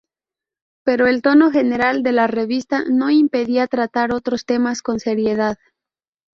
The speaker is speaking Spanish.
Pero el tono general de la revista no impedía tratar otros temas con seriedad.